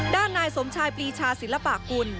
ด้านนายสมชายปรีชาศิลปะกุล